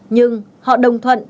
nhưng họ đồng thuận